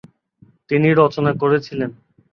তিনি রচনা করেছিলেন ।